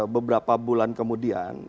beberapa bulan kemudian